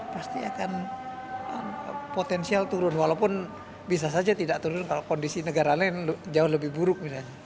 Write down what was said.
pasti akan potensial turun walaupun bisa saja tidak turun kalau kondisi negara lain jauh lebih buruk misalnya